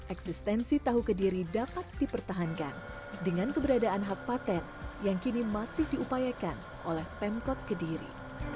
eksistensi tahu kediri dapat dipertahankan dengan keberadaan hak patent yang kini masih diupayakan oleh pemkot kediri